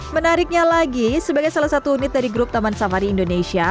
menariknya lagi sebagai salah satu unit dari grup taman safari indonesia